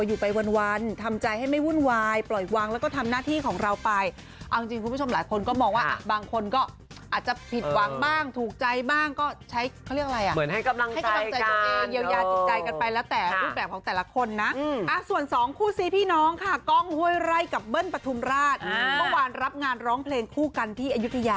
อยู่ไปวันทำใจให้ไม่วุ่นวายปล่อยวางแล้วก็ทำหน้าที่ของเราไปเอาจริงคุณผู้ชมหลายคนก็มองว่าบางคนก็อาจจะผิดหวังบ้างถูกใจบ้างก็ใช้เขาเรียกอะไรอ่ะเหมือนให้กำลังให้กำลังใจตัวเองเยียวยาจิตใจกันไปแล้วแต่รูปแบบของแต่ละคนนะส่วนสองคู่ซีพี่น้องค่ะกล้องห้วยไร่กับเบิ้ลปฐุมราชเมื่อวานรับงานร้องเพลงคู่กันที่อายุทยา